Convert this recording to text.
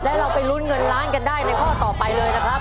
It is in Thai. แล้วเราไปลุ้นเงินล้านกันได้ในข้อต่อไปเลยนะครับ